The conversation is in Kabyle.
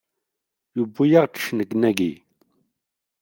Yewwi-yaɣ-iid cennegnagi!